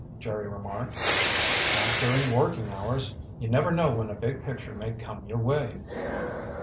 Jerry remarked. "Not during working hours. You never know when a big picture may come your way."